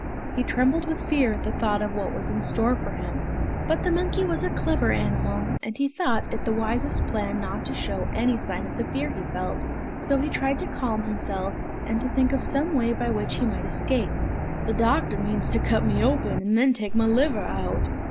He trembled with fear at the thought of what was in store for him. But the monkey was a clever animal, and he thought it the wisest plan not to show any sign of the fear he felt, so he tried to calm himself and to think of some way by which he might escape. "The doctor means to cut me open and then take my liver out!